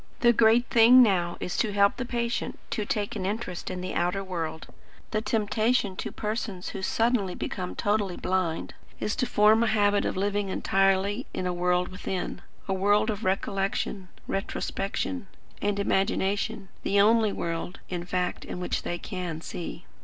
The great thing now is to help the patient to take an interest in the outer world. The temptation to persons who suddenly become totally blind, is to form a habit of living entirely in a world within; a world of recollection, retrospection, and imagination; the only world, in fact, in which they can see."